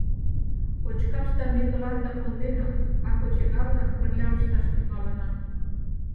Кочкашда ме тыланда кондена, а кочегарлан пырля ышташ тӱҥалына.